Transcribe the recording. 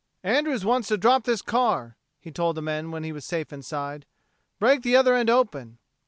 ] "Andrews wants to drop this car," he told the men when he was safe inside. "Break the other end open."